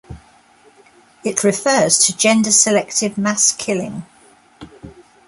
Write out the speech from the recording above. It refers to gender-selective mass killing.